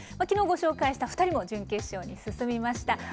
きのうご紹介した２人も準決勝に進みました。